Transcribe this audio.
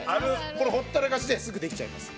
これほったらかしですぐできちゃいます。